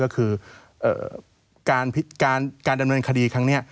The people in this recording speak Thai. ก็คือการดำเนินคดีครั้งนี้